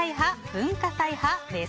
文化祭派？です。